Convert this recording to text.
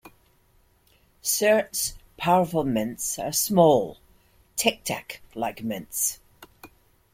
Certs Powerful Mints are small, Tic-Tac-like mints.